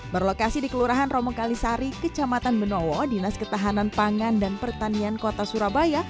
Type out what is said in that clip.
berlokasi di kelurahan romo kalisari kecamatan benowo dinas ketahanan pangan dan pertanian kota surabaya